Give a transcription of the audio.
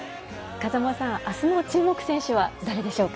風間さん、あすの注目選手は誰でしょうか？